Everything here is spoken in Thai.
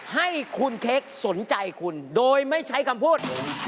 ให้คุณเค้กสนใจคุณโดยไม่ใช้คำพูด